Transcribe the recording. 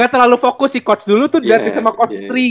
gak terlalu fokus si coach dulu tuh di latih sama coach tri